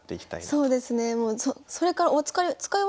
そうですね。